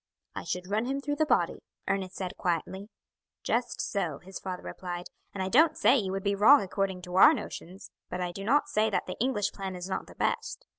"I should run him through the body," Ernest said quietly. "Just so," his father replied, "and I don't say you would be wrong according to our notions; but I do not say that the English plan is not the best.